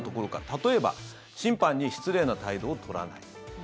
例えば審判に失礼な態度を取らない。